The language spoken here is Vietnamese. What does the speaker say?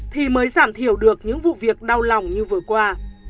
thì mới giảm thiểu được những vụ việc đau lòng như vừa qua